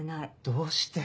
どうして？